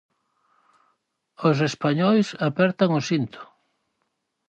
Os españois apertan o cinto.